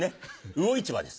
魚市場です。